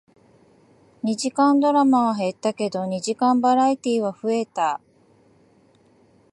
二時間ドラマは減ったけど、二時間バラエティーは増えた